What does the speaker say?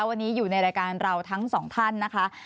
วันนี้อยู่ในรายการเราทั้งสองท่านนะคะ